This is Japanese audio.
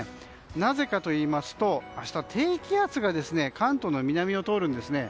なぜかといいますと明日は低気圧が関東の南を通るんですね。